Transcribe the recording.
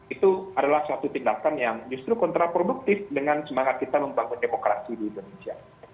itu adalah suatu tindakan yang justru kontraproduktif dengan semangat kita membangun demokrasi di indonesia